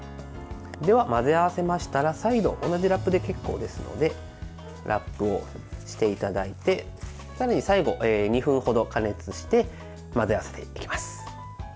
では、混ぜ合わせましたら再度同じラップで結構ですのでラップをしていただいてさらに最後、２分程加熱して混ぜ合わせていきます。